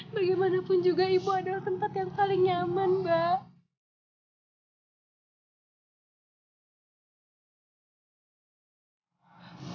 bagaimanapun juga ibu adalah tempat yang paling nyaman mbak